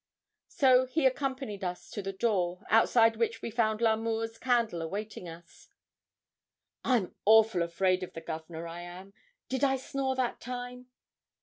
So he accompanied us to the door, outside which we found L'Amour's candle awaiting us. 'I'm awful afraid of the Governor, I am. Did I snore that time?'